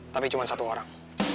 tapi cuma satu orang